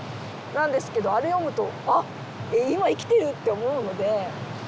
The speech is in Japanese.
なんですけどあれ読むとあっ今生きてるって思うので。